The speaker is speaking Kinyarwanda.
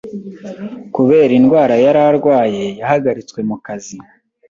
kubera indwara yararwaye yahagaritswe mukazi